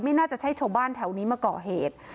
น่าจะใช่ชาวบ้านแถวนี้มาก่อเหตุ